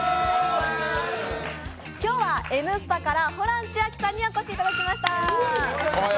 今日は「Ｎスタ」からホラン千秋さんにお越しいただきました。